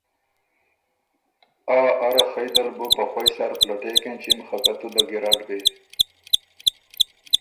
”آ اره خئ دل بُو په خوئ سر پلټېک اېنچِم خه که تُو ده ګیرډ بی“